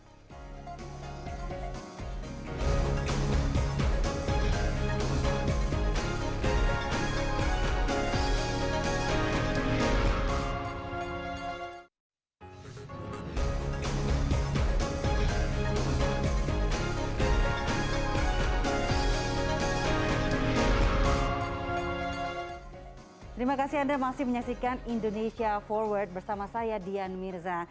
terima kasih anda masih menyaksikan indonesia forward bersama saya dian mirza